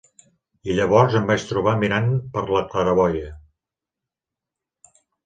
I llavors em vaig trobar mirant per la claraboia.